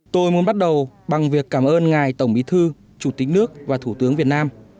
tôi muốn bắt đầu bằng việc cảm ơn ngài tổng bí thư chủ tịch nước và thủ tướng việt nam